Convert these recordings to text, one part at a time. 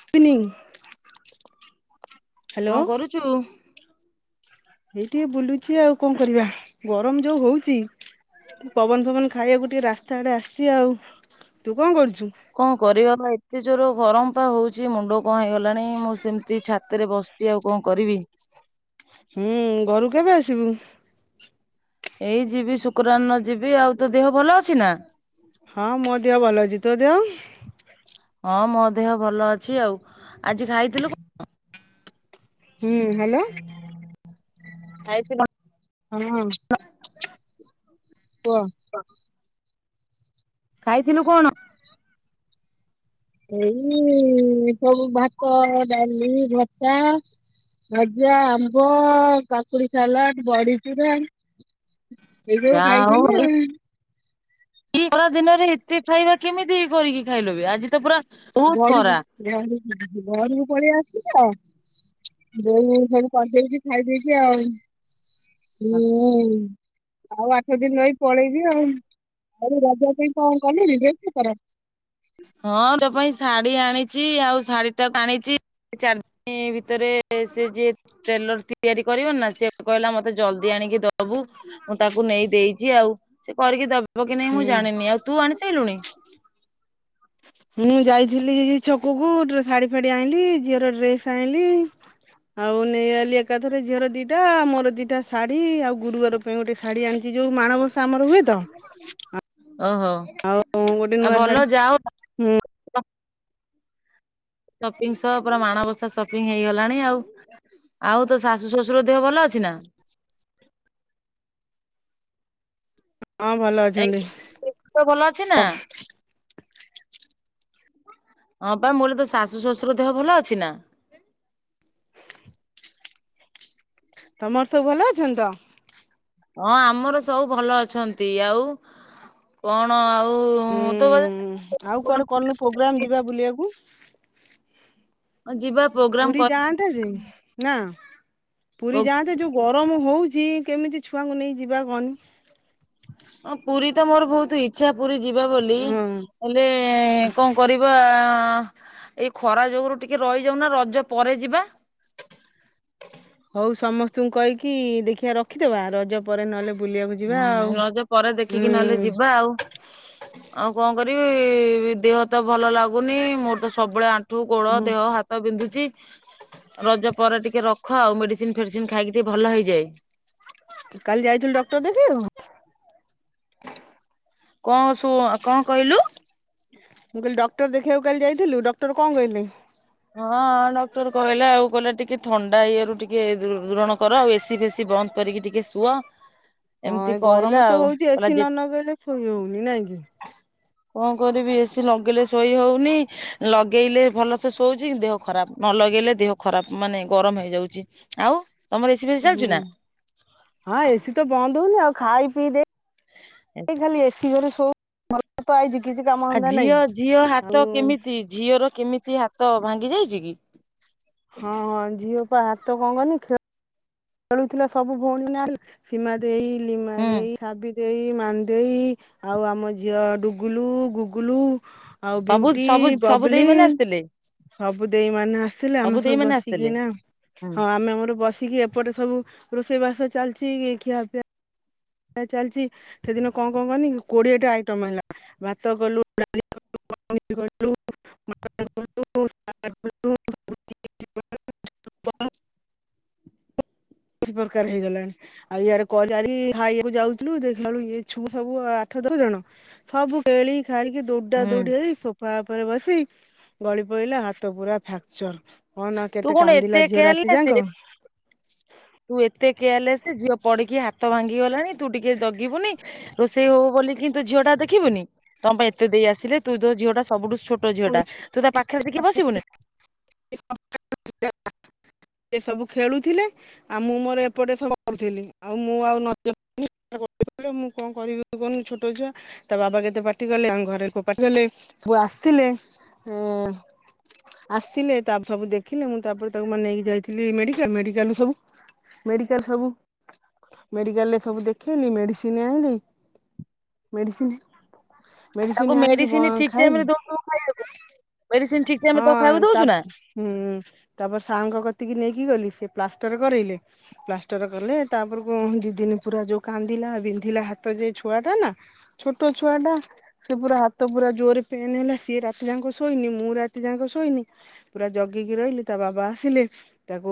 Spinning କଣ କରୁଚୁ? ଏଇ ଟିକେ ବୁଲୁଚି ଆଉ କଣ କରିବା ଗରମ ଯୋଉ ହୋଉଚି ପବନ ଫବନ ଖାଇବାକୁ ଟିକେ ରାସ୍ତା ଆଡେ ଆସିଚି ଆଉ ତୁ କଣ କରୁ କଁ କରିବା ଭାଇ ଏତେ ଜୋର ଗରମ ପା ହୋଉଚି ମୁଣ୍ଡ କଣ ହେଇଗଲାଣି ମୁଁ ସେମିତି ଛାତେରେ ବସିଚି। ଆଉ କଣ କରିବି। ହୁଁ ଘରୁକୁ କେବେ ଆସିବୁ? ଏଇ ଯିବି ଶୁକ୍ରାରନ ଯିବି ଆଉ ତୋ ଦେହ ଭଲ ଅଛି ନାଁ? ହଁ ମୋ ଦେହ ଭଲ ଅଛି। ତୋ ଦେହ? ହଁ ମୋ ଦେହ ଭଲ ଅଛି ଆଉ। ଆଜି ଖାଇଥିଲୁ [unintelligible] ହୁଁ ହାଲୋ। ଖାଇଛି କଣ ହଁ। କୁହ। ଖାଇଥିଲୁ କଣ? ଏଇ ସବୁ ଭାତ ଡାଲି ଭର୍ତ୍ତା ଭଜା ଆମ୍ବ କାକୁଡ଼ି ସାଲାଟ ବଡିଚୁରା। ଏଇ ସବୁ ଖାଇଥିଲି ଆଉ। ଇ ଖରା ଦିନରେ ଏତେ ଖାଇବା କେମିତି କରିକି ଖାଇଲ ବେ ଆଜି ତ ପୁରା ବହୁତ ଘରୁକୁ ଖରା ଘରୁ ଉଁ ଘରୁକୁ ପଳେଇ ଆସୁଚ ତ ବୋଉ ସବୁ କରିଦେଇକି ଖାଇଦେଇକି ଆଉ ହୁଁଉଁ। ଆଉ ଆଠ ଦିନି ରହି ପଳେଇବି ଆଉ। ଆଉ ରଜ ପାଇଁ କଣ କଲୁଣିି ଡ୍ରେସ୍ ପତର? ହଁ ଜ ପାଇଁ ସ୍ ଶାଢୀ ଆଣିଚି ଆଉ ଶାଢ଼ୀଟା ଆଣିଚି ଚାର୍ ଇଁ ଭିତରେ ସେ ଯିଏ ଟେଲର ତିଆରି କରିବନି ନାଁ ସିଏ କହିଲା ମତେ ଜଲ୍ଦି ଆଣିକି ଦବୁ ମୁଁ ତାକୁ ନେଇ ଦେଇଚି ଆଉ ସେ କରିକି ଦ ବ କି ନାହିଁ ମୁଁ ହୁଁ ଜାଣିନି। ଆଉ ତୁ ଆଣି ସାଇଲୁଣି? ହୁଁ ଯାଇଥିଲି ଛକୁକୁ ଗ୍ରେ ଶାଢୀ ଫାଢୀ ଆଇଁଲି ଝିଅର ଡ୍ରେସ ଆଇଁଲି ଆଉ ନେଇଗଲି ଏକାଥରେ ଝିଅର ଦିଟା ମୋର ଦିଟା ଶାଢୀ ଆଉ ଗୁରୁବାର ପାଇଁ ଗୋଟେ ଶାଢୀ ଆଣିଚି ଯୋଉ ମାାଣବ ଆମର ହୁଏ ତ ଆ ଓ ହୋ ଆଉ ଭଲ ଯାଅ ସପିଂ ସହ ପୁରା ମାଣବସା ସପିଙ୍ଗ ହେଇଗଲାଣି ଆଉ। ଆଉ ତୋ ଶାଶୁ ଶଶୁର ଦେହ ଭଲ ଅଛି ନାଁ? ହଁ ଭଲ ଅଛନ୍ତି ଭଲ ଅଛି ନା ଅ ହଁ ପା ମୁଁ କହିଲି ତୋ ଶାଶୁ ଶଶୁର ଦେହ ଭଲ ଅଛି ନା? ତମର ସବୁ ଭଲ ଅଛନ୍ତି ତ? ହଁ ଆମର ସବୁ ଭଲ ଅଛନ୍ତି ଆଉ କଣ ଆଉ ହୁଁ ତୋ ଆଉ କୁଆଡେ କରୁନୁ ପ୍ରୋଗ୍ରାମ ଯିବା ବୁଲିଆକୁ। ଅ ଯିବା ପ୍ରୋଗ୍ରାମ ପୁରୀ କରି ଯାଆନ୍ତେ ଯେ [unintelligible] ନା ପୁରୀ ଯାଆନ୍ତେ ଯୋଉ ଗରମ ହଉଛି କେମିତି ଛୁଆଙ୍କୁ ନେଇ ଯିବା କହନି। ଅ ପୁରି ତ ମୋର ବୋହୁତ ଇଛା ପୁରି ଯିବା ବୋଲି ହଁ ହେଲେ କଣ କରିବାଆ। ଆଁ ଏଇ ଖରା ଯୋଗୁରୁ ଟିକେ ରହିଯାଉନ ରଜ ପରେ ଯିବା। ହୋଉ ସମସ୍ତଙ୍କୁ କହିକି ଦେଖିଆ ରଖିଦବା ରଜ ପରେ ନହେଲେ ବୁଲିବାକୁ ଯିବା ଆଉ ହୁଁ ରଜ ପରେ ଦେଖିକି ନହେଲେ ହୁଁ ଯିବା ଆଉ। ଆଉ କଣ କରିବି। ଇ ଦେହ ତ ଭଲ ଲାଗୁନି ମୋର ତ ସବୁବେଳେ ଆ ଣ୍ଠୁ ଗୋଡ ହୁଁ ଦେହ ହାତ ବିନ୍ଧୁ ଚି। ରଜ ପରେ ଟିକେ ରଖ ଆଉ ମେଡିସିନ ଫେଡିସିନ ଖାଇକି ଟିକେ ଭଲ ହେଇଯାଏ। କାଲି ଯାଇଥିଲୁ ଡକ୍ଟର ଦେଖେଇବାକୁ? କଣ ଶୁ କଣ କହିଲୁ? ମୁଁ କହିଲି ଡକ୍ଟର ଦେଖେଇବାକୁ କାଲି ଯାଇଥିଲୁ ଡକ୍ଟର କଣ କହିଲେ? ହଁ ଡକ୍ଟର କହିଲେ ଆଉ କହିଲେ ଟିକେ ଥଣ୍ଡା ଇଏରୁ ଟିକେ ଦୂ-ଦୂରଣ କର ଆଉ ଏସିି ଫେସିି ବନ୍ଦ କରିକି ଟିକେ ଶୁଅ। ହଁ ଏମିତି ଏ କହିଲା ଗରମ ତ ଆଉ ହୋଉଚି କହିଲା ଏସି ଯେ ନଗେଇଲେ ଶୋଇ ହୋଉନି ନାଁ କି। କଣ କରିବି ଏସି ଲଗେଇଲେ ଶୋଇ ହଉନି ଲଗେଇଲେ ଭଲ ସେ ଶୋଉଛି ଦେହ ଖରାପ ନ ଲଗେଇଲେ ଦେହ ଖରାପ ମାନେ ଗରମ ହେଇଯାଉଛି ଆଉ ତମର ଏସି ଫେସି ଚାଲୁଛି ହୁଁ ନା? ହଁ ଏସି ତ ବନ୍ଦ ହୋଉଚି ଆଉ। ଖାଇ ପିଇ ଦେ ଏ ଖାଲି ଏସି ଘରେ ଶୋ [unintelligible] ଆ ଝିଅ ଝିଅ ଆଉ ହାତ କେମିତି ଝିଅର କେମିତି ହାତ ଭାଙ୍ଗି ଯାଇଛି କି? ତା ହାତ କଣ କହନି ଖେ ଖେଳୁଥିଲା ସବୁ ଭଉଣୀ ନା ସୀମା ଦେଇ ଲିମା ହୁଁ ଦେଇ ଶାବି ଦେଇେ ମାନ୍ ଦେଇ ଆଉ ଆମ ଝିଅ ଡୁଗୁଲୁ ଗୁଗୁଲୁ ଆଉ ସବୁ ବୁଇଟି ସବୁ ସବୁ ଦେଇ ବବଲି ମାନେ ଆସିଥିଲେ ସବୁ ଦେଇ ମାନେ ଆସିଲେ ଆମେ ଦେଇ ସବୁ ମାନେ ବସିକି ଆସିଥିଲେ ନା ହୁଁ ହଁ ଆମେ ଆମର ବସିକି ର ସବୁ ରୋଷେଇବାସ ଚାଲିଛି କି ଖିଆ ପିଆ ଚାଲିଛି ସେଦିନ କଣ କଣ କହନି କୋଡିଏଟା ଆଇଟମ ହେଲା ଭାତ କଲୁ ଡାଲି କଲୁ ପନିର କଲୁ [unintelligible] ପ୍ରକାର ହେଇଗଲାଣି ଆଉ ଇଆଡେ କଜାରି ଖାଇବାକୁ ଯାଉଥିଲୁ ଦେଖାଲା ବେଳୁ ଇ ଛୁଆ ସବୁ ଆଠ ଦଶ ଜଣ ସବୁ କେଳି ଖାଳିକି ଦୌଡା ହୁଁ ଦୌଡି ହେଇ ସୋଫା୍ ଉପରେ ବସି ଗଳି ପଡିଲା ହାତ ପୁରା ଫ୍ରାକ୍ଚର। ହଁ ନା ତୁ କେତେ କଣ ଏତେ କାନ୍ଦିଲା ଝିଅ ରାତି କେୟାରଲେସ୍ ଯାକ। ତୁ ଏତେ କେୟରାଲେସ ଝିଅ ପଡିକି ହାତ ଭାଙ୍ଗି ଇ ଗଲାଣି ତୁ ଟିକେ ଜଗିବୁନି। ରୋଷେଇ ହଉ ବୋଲି କି ତୁ ଝିଅ ଟା ଦେଖିବୁନି ତମ ପାଇଁ ଏତେ ଦେଇ ଆସିଲେ ତୁ ତୋ ଝିଅଟା ସବୁ ଠୁ ଛୋଟ ଝିଅ ଟା ତୁ ତା ପାଖରେ ଟିକେ ବସିବୁନି। [unintelligible] ଏ ସବୁ ଖେଳୁଥିଲେ ଆଉ ମୁଁ ମୋର ଏପଟେ ସବୁ କରୁଥିଲି ଆଉ ମୁଁ ଆଉ ନଜର [unintelligible] ମୁଁ କଣ କରିବି କହୁନି ଛୋଟ ଛୁଆ ତା ବାବା କେତେ ପାଟି କଲେ ଆମ ଘରେ ପାଟି କଲେ ଆସ ଥିଲେ ଆସିଲଥିଲେ ତା ସବୁ ଦେଖିଲେ ମୁଁ ତାପରେ ତାକୁ ମାନ ନେଇକି ଯାଇଥିଲି ମେଡିକାଲ ମେଡ଼ିକାଲ ସବୁ ମେଡ଼ିକାଲ ସବୁ ମେଡିକାଲରେ ସବୁ ଦେଖେଇଲି ମେଡ଼ିସିନ ଆଣିଲି ମେଡିସିନ ମେଡିସିନ ତାକୁ ଆଣିକି ମେଡିସିନ ଠିକ୍ ଖାଇଲି ଟାଇମ ରେ ଦଉ ତାକୁ ହଁ ଖାଇବାକୁ ଦଉଛୁ ନା ତାପ ହୁଁ ତାପରେ ସାରଙ୍କ କ ସେତିକି ନେଇକି ଗଲି ସେ ପ୍ଲାଷ୍ଟର କରାଇଲେ ପ୍ଲାଷ୍ଟର କଲେ ତାପର କୁ ଦି ଦିନ ପୁରା ଯୋଉ କାନ୍ଦିଲା ବିନ୍ଧିଲା ହାତ ଯେ ଛୁଆଟା ନା ଛୋଟ ଛୁଆ ଟା ସେ ପୁରା ହାତ ପୁରା ଜୋରରେ ପେନ୍ ହେଲା। ସିଏ ରାତି ଯାକ ଶୋଇନି ମୁଁ ରାତି ଯାକ ଶୋଇନି ପୁରା ଜଗିକି ରହିଲି ତା ବାବା ଆସିଲେ ତାକୁ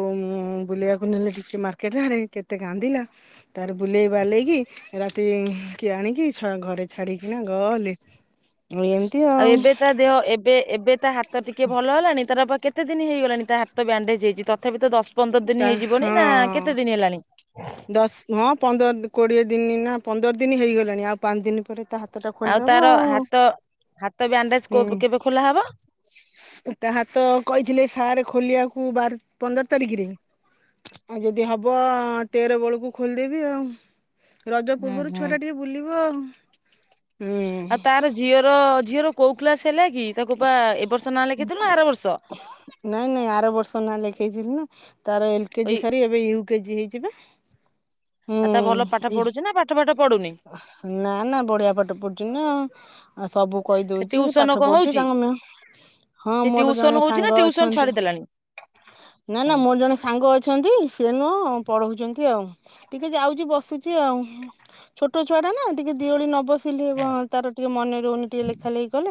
ବୁଲେଇବାକୁ ନେଲେ ଟିକେ ମାର୍କେଟ ଆଡେ କେତେ କାନ୍ଦିଲା ତାର ବୁଲେଇ ବାଲେଇକି ରାତି କିଏ ଆଣିକି ଘରେ ଛାଡିକିନା ଗଲେ। ଏମିତି ଆଉ। ଏବେ ତା ଦେହ ଏବେ ଏବେ ତା ହାତ୍ ତ ଟିକେ ଭଲ ହେଲାଣି ତାର ପା କେ କେତେ ଦିନ ହେଇଗଲାଣି ତା ହାତ ବ୍ୟାଣ୍ଡେଜ ହେଇଛି ତଥାପି ତ ଦଶ ପନ୍ଦର ଦିନ ତା ହେଇଯିବନି ନା ହଁ କେତେ ଦିନ ହେଲାଣି ଦଶ ହଁ ପନ୍ଦର କୋଡିଏ ତିନି ଦିନ ନା ପନ୍ଦର ଦିନ ହେଇଗଲାଣି ଆଉ ପାଞ୍ଚ ଦିନ ପରେ ଏ- ତା ହାତଟା ଖୋଲିଦବ ତାର ଆଉ ହାତ ହାତ ବ୍ୟାଣ୍ଡେଜ କୋ ହୁଁ କେବେ ଖୋଲା ହବ ତା ହାତ କହିଥିଲେ ସାରେ ଖୋଲିବାକୁ ବାର ପନ୍ଦର ତାରିଖରେ ଆଉ ଯଦି ହବ ତେର ବେଳକୁ ଖୋଲିଦେବି ଆଉ। ରଜ ହୁଁ ପୂର୍ବରୁ ଛୁଆ ହୁଁ। ଟା ଟିକେ ବୁଲିବ ଆଉ ହୁଁ ଆଉ ତାର ଝିଅର ଝିଅର କୋଉ କ୍ଲାସ ହେଲା କି ତାକୁ ପା ଏ ବର୍ଷ ନା ଲେଖେଇଥିଲ ନା ଆର ବର୍ଷ ହେଇଥିଲି ନା ତାର ଏଲ କେଜି ଏଇ ସରି ଏବେ ୟୁ କେଜି ହେଇଯିବା ଆଉ ତା ଭଲ ପାଠ ପଢୁଚି ନା ପାଠ ଫାଟ ନା ନା ବଢିଆ ପାଠ ପଢୁଛି ନା ସବୁ ସେ କହିଦଉଛି ଟିଉସନ ପାଠ କଣ ପଢୁଛି ହଉଛି ତାଙ୍କ ମ୍ୟାମ ହଁ ସେ ମୋର ଟିଉସନ ଜଣେ ହଉଛି ନା ସାଙ୍ଗ ଟିଉସନ ଅଛନ୍ତି ଛାଡିଦେଲାଣି ନା ହଁ ନା ମୋର ଜଣେ ସାଙ୍ଗ ଅଛନ୍ତି ସିଏ ନୁହଁ ହଁ ପଢଉଛନ୍ତି ଆଉ ଟିକେ ଯାଉଛି ବସୁଛି ଆଉ ଛୋଟ ଛୁଆ ନା ଟିକେ ଦି ଓଳି ନ ବସିଲେ କଣ ତାର ଟିକେ ମନେ ରହୁନି ଟିକେ ଲେଖା ଲେଖି କଲେ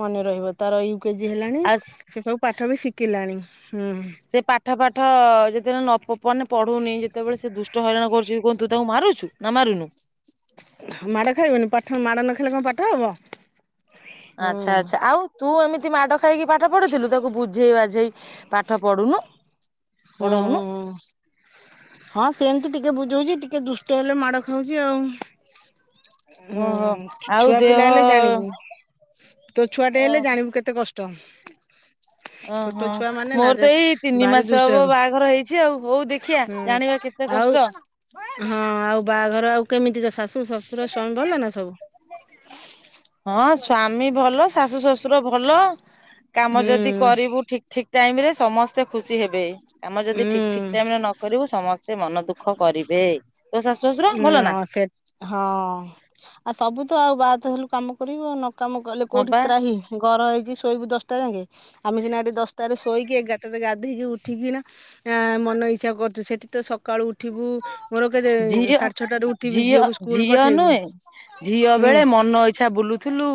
ମନେ ରହିବ ତାର ୟୁ କେଜି ହେଲାଣି ଆଉ ସେ ସବୁ ପାଠ ବି ଶିଖିଲାଣି। ହୁଁ। ସେ ପାଠ ଫାଠ ଯେତେବେଳେ ନ ପ ମାନେ ପଢୁନି ଯେତେବେଳେ ସେ ଦୁଷ୍ଟ ହଇରାଣ କରୁଛି କଣ ତୁ ତାକୁ ମାରୁଛୁ ନା ମାରୁନୁ? ମାଡ ଖାଇବନି ପାଠ ମାଡ଼ ନ ଖାଇଲେ କଣ ପାଠ ହବ? ହୁଁ ଆଛା ଆଚ୍ଛା ଆଉ ତୁ ଏମିତି ମାଡ ଖାଇକି ପାଠ ପଢୁଥିଲୁ ତାକୁ ବୁଝେଇ ବାଝେଇ ପାଠ ପଢୁନୁ। ପଢଉନୁ ହୁଁ ହଁ ସେମିତି ଟିକେ ବୁଝଉଛି ଟିକେ ଦୁଷ୍ଟ ହେଲେ ମାଡ଼ ଖାଉଛି ଆଉ। ହୁଁ ଓହୋ ଆଉ ଛୁଆ ଦେହ ପିଲା ହେଲେ ଜାଣିବୁ ତୋ ଛୁଆ ଟେ ଅ ହେଲେ ଜାଣିବୁ କେତେ କ ଟ ଓହୋ ମୋର ତ ଏଇ ତିନି ଭାରି ମାସ ଦୁଷ୍ଟ ହବ ହେବେ ବାହାଘର ହେଇଛି ଆଉ ହଉ ଦେଖିବା ହୁଁ ଜାଣିବା କେତେ ଆଉ କଷ୍ଟ। ହଁ ଆଉ ବାହାଘର ଆଉ କେମିତି କା ଶାସ ଶୁ ସସୁର ସ୍ଵାମୀ ଭଲ ନା ସବୁ? ହଁ ସ୍ୱା ମି ଭଲ ଶାଶୁ ଶ୍ୱଶୁର ଭଲ। କାମ ହୁଁ ଯଦି କରିବୁ ଠିକ ଠିକ ଟାଇମ୍ ରେ ସମସ୍ତେ ଖୁସି ହେବେ। କାମ ଉଁ ଯଦି ଠିକ ଠିକ ଟାଇମ ରେ ନ କରିବୁ ସମସ୍ତେ ମନ ଦୁଃଖ କରିବେ ତୋ ଶାଶୁ ଶଶୁର ଭଲ ନା? ହଁ ସେ ହଁ ଆଉ ସବୁ ଆଉ ବାହାତ ତ ହେଲୁ କାମ କରିବ ନ କାମ କଲେ ହଁ କୋଉଠି ବା ତ୍ରାହି ଘର ହେଇଛି ଶୋଇବୁ ଦଶ ଟା ଜାଙ୍କେ। ଆମେ ସିନା ଏଠି ଦଶଟାରେ ଶୋ ଶୋଇକି ଏଗାରଟରେ ଗାଧେଇକି ଉଠିକି ନା ଆଁ ମନ ଇଛା କରୁଛୁ ସେଠି ତ ସକ ଝିଅ ସାଢେ ଛଅଟାରୁ ଉଠିବି ଝିଅ ଝିଅକୁ ସ୍କୁଲ ଝିଅ ପଠେଇବି ନୁହେଁ ଝିଅ ହୁଁ ବେଳେ ମନ ଇଚ୍ଛା ବୁଲୁଥୁଲୁ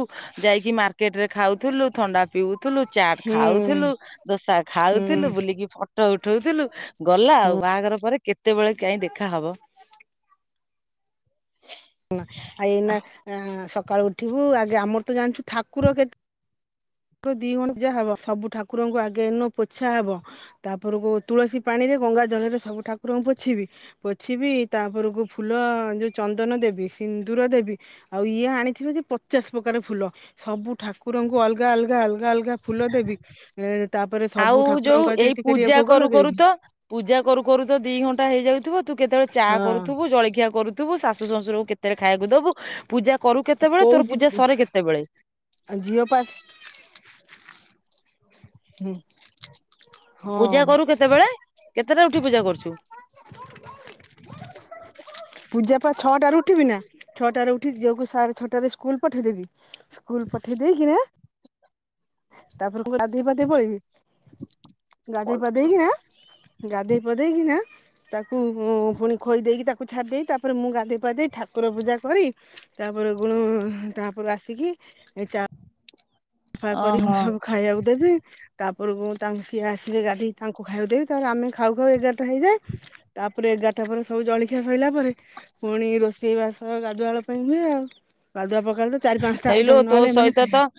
ଯାଇକି ମାର୍କେଟରେ ଖାଉଥୁଲୁ ଥଣ୍ଡା ପିଉଥୁଲୁ ଚାଟ ହୁଁ ଖାଉଥୁଲୁ ଦୋସା ହୁଁ ଖାଉଥୁଲୁ ବୁଲିକି ଫ ଫଟ ଉଠୋଉଥିଲୁ ଗଲା ଆଉ ବାହାଘର ପରେ କେତେବେଳେ କାଇଁ ଦେଖା ହବ। ନାଁ ଆଉ ଏଇନା ସ ସକାଳୁ ଉଠିବୁ ଆଗେ ଆମର ତ ଜାଣିଛୁ ଠାକୁର କେତେ ଦୁଇ ଘଣ୍ଟା ପୂଜା ହେବ ସବୁ ଠାକୁରଙ୍କୁ ଆଗେ ନ ପୋଛା ହେବ ତାପରକୁ ତୁଳସୀ ପାଣିରେ ଗଙ୍ଗା ଜଳରେ ସବୁ ଠାକୁରଙ୍କୁ ପୋଛିବି ପୋଛିବି ତାପରକୁ ଫୁଲ ଯେଉଁ ଚନ୍ଦନ ଦେବି। ସିନ୍ଦୁର ଦେବି ଆଉ ଇଏ ଆଣିଥିବେ ଯେ ପଚାଶ ପ୍ରକାର ଫୁଲ ସବୁ ଠାକୁରଙ୍କୁ ଅଲଗା ଅଲଗା ଅଲଗା ଅଲଗା ଫୁଲ ଦେବି ଏ ତାପରେ ସବୁ ଆଉ ଯୋଉ ଠାକୁରଙ୍କ କତିରେ ଏଇ ଟିକେ ଟିକେ ପୂଜା ଭୋଗ କରୁ କରୁ ଲଗେଇବି ତ ପୂଜା କରୁ କରୁ ତ ଦି ଘଣ୍ଟା ହେଇ ଯାଉଥିବ। ତୁ କେତେବେଳେ ଚା ହଁ କରୁଥୁବୁ ଜଳଖିଆ କରୁ ଉଠିବୁ ଶାଶୁ ଶଶୁର ଙ୍କୁ କେତେବେଳେ ଖାଇବାକୁ ଦବୁ ପୂଜା କରୁ କେତେବେଳେ କୋଉ ତୋର ଯି ପୂଜା ସରେ କେତେବେଳେ? ଝିଅ ପା ହୁଁ। ହଁ ପୂଜା କରୁ କେତେବେଳେ କେ କେତିଟାରେ ଉଠିକି ପୂଜା କରୁଚୁ। ପୂଜାପା ଛଅଟାରୁ ଉଠିବି ନା ଛଅଟରୁ ଝିଅକୁ ସାଢେ଼ ଛଟାରେ ସ୍କୁଲ ପଠେଇଦେବି। ସ୍କୁଲ ପଠେଇ ଦେଇକିନା ତାପରେ ମୁଁ ଗାଧେଇ ପାଧେଇ ପଳେଇବି। ଗାଧେଇ ପାଧେଇକିନା ଗାଧେଇ ପାଧେଇକି ନା ତାକୁ ପୁଣି ଖୋଇ ଦେଇକି ତାକୁ ଛାଡି ଦେଇ ତାପରେ ମୁଁ ଗାଧେଇ ପାଧେଇ ଠାକୁର ପୂଜା କରି ତାପରେ ଗୁଣ ତାପରେ ଆସିକି ଏ ଚା ସଫା କରି ମୁଁ ଓହୋ। ସବୁ ଖାଇବାକୁ ଦେବି। ତାପରକୁ ତା ଇଏ ଆସିଲେ ଗାଧେଇ ତାଙ୍କୁ ଖାଇବା କୁ ଦେବି ଆମେ ଖାଉ ଖାଉ ଏଗାରଟା ହେଇଯାଏ ତାପରେ ଏଗାରଟା ପରେ ସବୁ ଜଳଖିଆ ଖାଇଲା ପରେ ପୁଣି ରୋଷେଇବାସ ଗାଧୁଆ ବେଳ ପାଇଁ ହୁଏ ଆଉ ଗାଧୁଆ ପା ସକାଳୁ ତ ଚାରି ପାଞ୍ଚଟା ହେଇଲୋ ଆଇଟମ୍ ତୋ ନହେଲେ ଏମାନେ ସହିତ ତ ଖଇବେନି।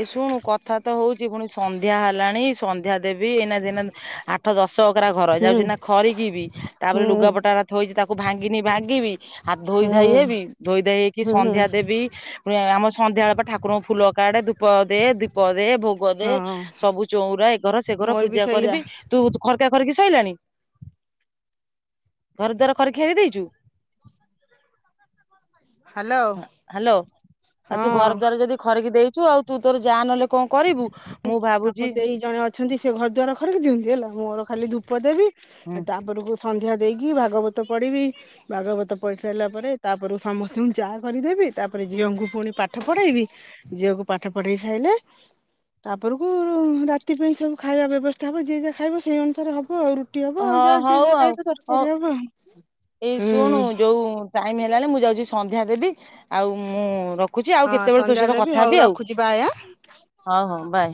ଏ ଶୁଣୁ କଥା ତ ହୋଉ ପୁଣି ସନ୍ଧ୍ୟା ହେଲାଣି ସନ୍ଧ୍ୟା ଦେବି ଏଇନା ଦିନେ ଆ ଆଠ ଦଶ ବଖରା ଘର ହୁଁ ଯାଉଛି ନା ଖରିକିବି ତାପରେ ହୁଁ ଲୁଗାପଟାରା ଥୋଇଚି ତାକୁ ଭାଙ୍ଗିନି ଭାଙ୍ଗିବି। ହାତ ଧୋଇ ଧାଇ ହେବି ହୁଁ ଧୋଇ ଧାଇ ହେଇକି ହୁଁ ସନ୍ଧ୍ୟା ଦେବି। ପୁଣି ଆମର ସନ୍ଧ୍ୟା ବେଳେ ଠାକୁରଙ୍କୁ ଫୁଲ କାଢେ ଧୁପ ଦେ ଦୀପ ଦେ ଭୋଗ ଦେ ହଁ। ସବୁ ଚଉରା ଏ ଘର ସେ ଘର ମୋର ବି ପୂଜା ସେଇଆ କରିବି ତୁ ଖରକା ଖରିକି ସଇଲାଣି ଘର ଦ୍ୱାର ଖରି ଖାରିକି ଦେଇଛୁ। ହ୍ୟାଲୋ ହଁ ହ୍ୟାଲୋ। ଆଉ ହଁ ତୁ ଘର ଦ୍ୱାର ଯଦି ଖ ଖରିକି ଦେଇଛୁ ଆଉ ତୁ ତୋର ଯା ନହଲେ କଣ କରିବୁ। ମୁଁ ଆମ ଭାବୁଛି ଦେଇ ଜଣେ ଅଛନ୍ତି ସେ ଘର ଦ୍ୱାର ଖରିକି ଦିଅନ୍ତି ହେଲା ମୋର ଖାଲି ଧୂପ ଦେବି ଆ ତାପରକୁ ସନ୍ଧ୍ୟା ଦେଇକି ଭାଗବତ ପଢିବି ଭାଗବତ ପଢି ସାରିଲା ପରେ ତାପରେ ସମସ୍ତଙ୍କୁ ଚା କରିଦେବି ତାପରେ ଝିଅଙ୍କୁ ପୁଣି ପାଠ ପଢେଇବି ଝିଅକୁ ପାଠ ପଢେଇ ସାଇଲେ ତାପରକୁ ରାତି ପାଇଁ ସବୁ ଖାଇବା ବ୍ୟବସ୍ଥା ହବ ଯିଏ ଯାହା ଖାଇବ ସେଇ ଅନୁସାରେ ହବ ଆଉ ରୁ ହଁ ହଉ ଆଉ ହଉ ଆଉ ଏଇ ହୁଁ ଶୁଣୁ ଯୋଉ ଟାଇମ ହେଲାଣି ମୁଁ ଯାଉଛି ସନ୍ଧ୍ୟା ଦେବି। ଆଉ ମୁଁ ରଖୁଛି ଆଉ ହଁ କେତେବେଳେ ତୋ ସନ୍ଧ୍ୟା ସହିତ ଦେବି କଥା ହଉ ହେବି ଆଉ ରଖୁଛି ବାଏ ଆଁ ହଉ ହଉ ବାଏ।